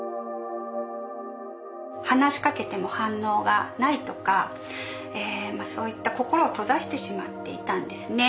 話しかけても反応がないとかそういった心を閉ざしてしまっていたんですね。